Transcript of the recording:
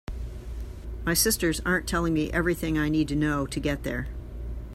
My sisters aren’t telling me everything I need to know to get there.